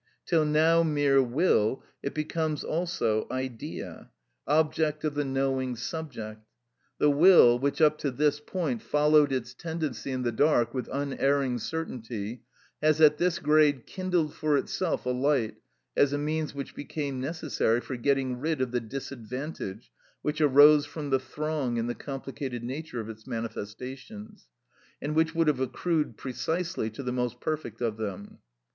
Till now mere will, it becomes also idea, object of the knowing subject. The will, which up to this point followed its tendency in the dark with unerring certainty, has at this grade kindled for itself a light as a means which became necessary for getting rid of the disadvantage which arose from the throng and the complicated nature of its manifestations, and which would have accrued precisely to the most perfect of them.